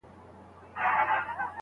اشرف المخلوقات